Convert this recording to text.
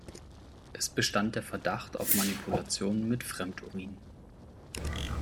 Es bestand der Verdacht auf Manipulation mit Fremd-Urin.